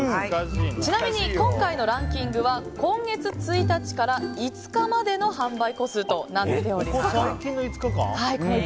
ちなみに今回のランキングは今月１日から５日までの販売個数となっております。